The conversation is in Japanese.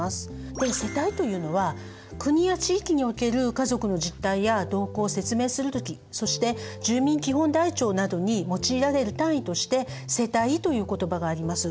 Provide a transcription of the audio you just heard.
で世帯というのは国や地域における家族の実態や動向を説明する時そして住民基本台帳などに用いられる単位として世帯という言葉があります。